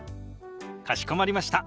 かしこまりました。